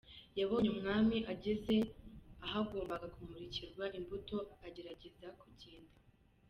Yabonye umwami ageze ahagombaga kumurikirwa imbuto agerageza kugenda.